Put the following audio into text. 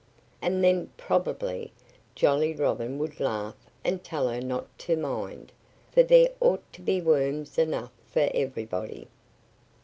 And then, probably, Jolly Robin would laugh and tell her not to mind, for there ought to be worms enough for everybody.